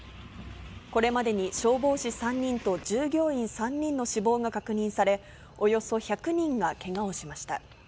これまでに消防士３人と、従業員３人の死亡が確認され、およそ１００人がけがをしました。